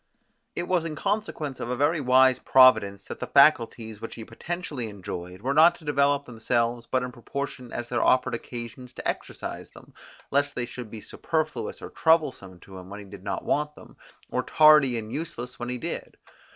It was in consequence of a very wise Providence, that the faculties, which he potentially enjoyed, were not to develop themselves but in proportion as there offered occasions to exercise them, lest they should be superfluous or troublesome to him when he did not want them, or tardy and useless when he did.